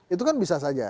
itu kan bisa saja